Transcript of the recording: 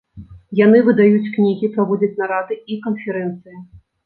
Яны выдаюць кнігі, праводзяць нарады і канферэнцыі.